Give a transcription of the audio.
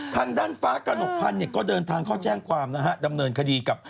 ทางด้านฟ้ากระหนกพันธ์เนี่ยก็เดินทางเข้าแจ้งความนะฮะดำเนินคดีกับ